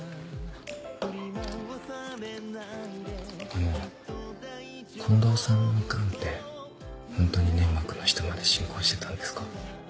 あの近藤さんの癌ってホントに粘膜の下まで進行してたんですか？